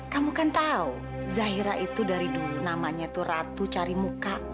kamu kan tahu zahira itu dari dulu namanya itu ratu cari muka